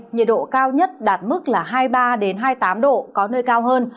nhiệt độ cao nhất đạt mức là hai mươi ba hai mươi tám độ có nơi cao hơn